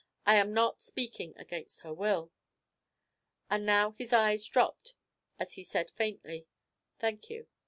I am not speaking against her will.' And now his eyes dropped as he said faintly, 'Thank you.'